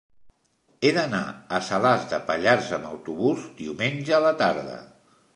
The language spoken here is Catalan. He d'anar a Salàs de Pallars amb autobús diumenge a la tarda.